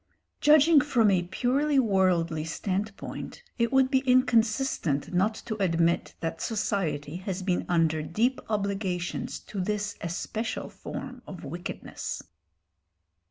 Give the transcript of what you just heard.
Judging from a purely worldly standpoint, it would be inconsistent not to admit that society has been under deep obligations to this especial form of wickedness.